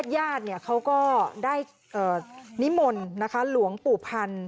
ยาดเขาก็ได้นิมนต์นะคะหลวงปู่พันธ์